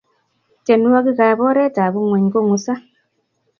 tienwokik ap oret ap ngueny kongusa